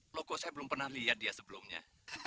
oh logo saya belum pernah lihat dia sebelumnya